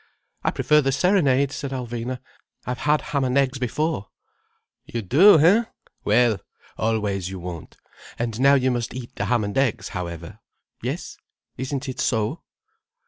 "I prefer the serenade," said Alvina. "I've had ham and eggs before." "You do, hein? Well—always, you won't. And now you must eat the ham and eggs, however. Yes? Isn't it so?"